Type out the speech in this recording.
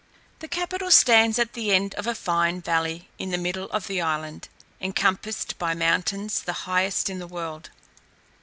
The capital stands at the end of a fine valley, in the middle of the island, encompassed by mountains the highest in the world.